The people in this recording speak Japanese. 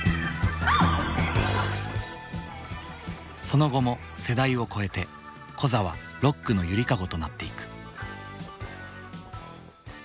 その後も世代を超えてコザはロックの揺りかごとなっていく。